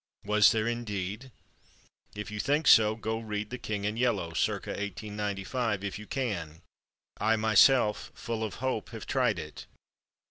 Was there, indeed? If you think so, go read "The King in Yellow," circa 1895—if you can. I myself, full of hope, have tried it.